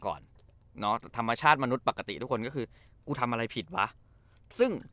ก่อนเนอะธรรมชาติมนุษย์ปกติทุกคนก็คือกูทำอะไรผิดวะซึ่ง